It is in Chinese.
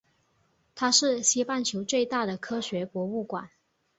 它是西半球最大的科学博物馆。